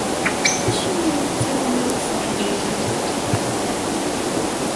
Acimi ur tettarum ara s teqbaylit?